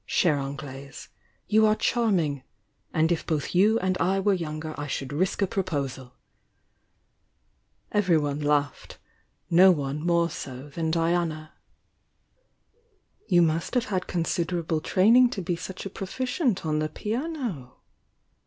Chh'e Anglaise, you are charming! — and if both you and I wero youngw I should risk a proposal!" Everyone laughed, — no one more so than Diana. "You must have had considerable training to be such a proficient on the piano?"